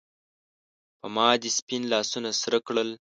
پۀ ما دې سپین لاسونه سرۀ کړل